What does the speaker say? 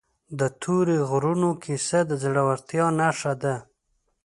د تورې غرونو کیسه د زړورتیا نښه ده.